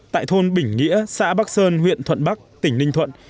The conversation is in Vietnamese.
tại thôn bỉnh nghĩa xã bắc sơn huyện thuận bắc tỉnh ninh thuận